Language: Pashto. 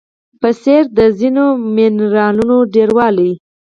په څېر د ځینو منرالونو ډیروالی